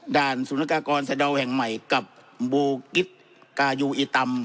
ด่านศูนย์กากรสะดาวแห่งใหม่กับบูกิศกายุอิตาม